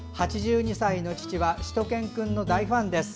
「８２歳の父はしゅと犬くんの大ファンです。